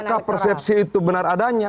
apakah persepsi itu benar adanya